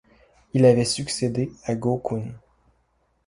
Il avait succédé à Goh Kun.